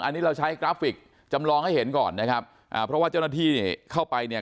อันนี้เราใช้กราฟิกจำลองให้เห็นก่อนนะครับอ่าเพราะว่าเจ้าหน้าที่เข้าไปเนี่ย